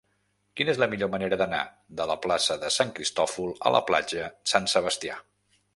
Quina és la millor manera d'anar de la plaça de Sant Cristòfol a la platja Sant Sebastià?